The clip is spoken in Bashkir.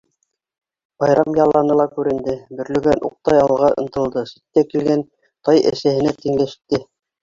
Байрам яланы ла күренде, Бөрлөгән уҡтай алға ынтылды, ситтә килгән тай әсәһенә тиңләште.